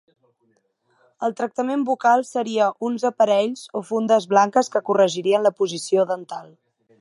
El tractament bucal seria uns aparells o fundes blanques que corregirien la posició dental.